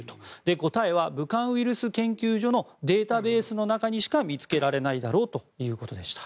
答えは武漢ウイルス研究所のデータベースの中にしか見つけられないだろうということでした。